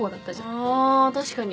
あ確かに。